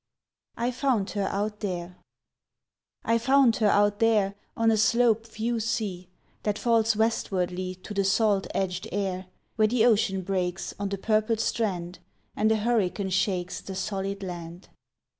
"I FOUND HER OUT THERE" I FOUND her out there On a slope few see, That falls westwardly To the salt edged air, Where the ocean breaks On the purple strand, And the hurricane shakes The solid land.